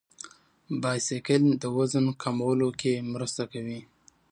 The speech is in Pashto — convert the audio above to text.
بایسکل د وزن کمولو کې مرسته کوي.